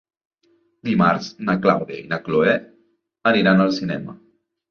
Dimarts na Clàudia i na Cloè aniran al cinema.